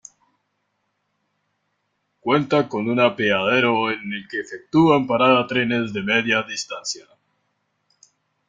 Cuenta con una apeadero en el que efectúan parada trenes de Media Distancia.